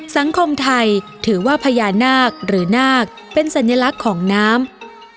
สังคมไทยถือว่าพญานาคหรือนาคเป็นสัญลักษณ์ของน้ำ